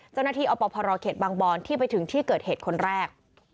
เจ้าหน้าที่อพรเขตบางบอนที่ไปถึงที่เกิดเหตุคนแรก